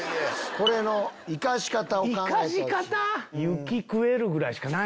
これの生かし方を考えてほしい。